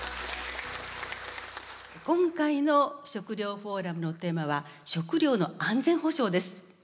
今回の食料フォーラムのテーマは「食料の安全保障」です。